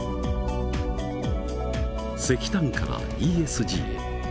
石炭からＥＳＧへ。